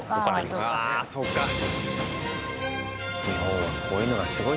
日本はこういうのがすごいですね